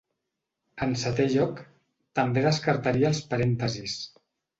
En setè lloc, també descartaria els Parèntesis.